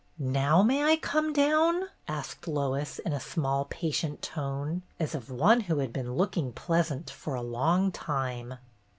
"Now may I come down?" asked Lois, in a small, patient tone, as of one who had been "looking pleasant" for a long time.